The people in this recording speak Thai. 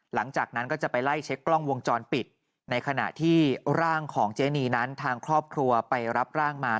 หลังจากนั้นก็จะไปไล่เช็คกล้องวงจรปิดในขณะที่ร่างของเจนีนั้นทางครอบครัวไปรับร่างมา